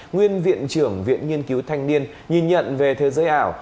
nguyên viện trưởng viện nghiên cứu thanh niên nhìn nhận về thế giới ảo